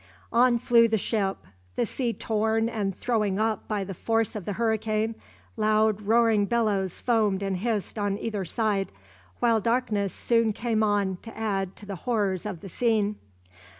On flew the ship. The sea torn and thrown up by the force of the hurricane, loud roaring billows foamed and hissed on either side, while darkness soon came on to add to the horrors of the scene.